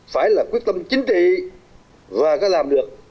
phải là quyết tâm chính trị và có làm được